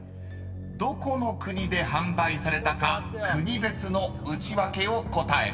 ［どこの国で販売されたか国別のウチワケを答えろ］